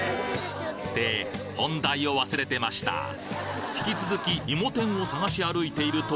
って本題を忘れてました引き続きん！？